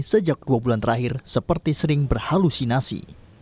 sejak dua bulan terakhir seperti sering berhalusinasi